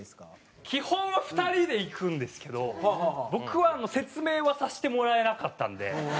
基本は２人でいくんですけど僕は説明はさせてもらえなかったんで横にこう。